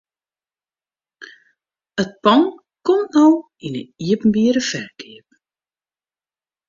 It pân komt no yn 'e iepenbiere ferkeap.